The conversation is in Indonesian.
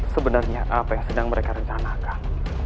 sebenarnya apa yang sedang mereka rencanakan